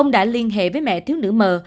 hãy liên hệ với mẹ thiếu nữ mờ